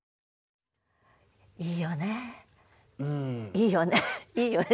いいよねいいよね。